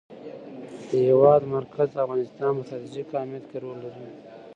د هېواد مرکز د افغانستان په ستراتیژیک اهمیت کې رول لري.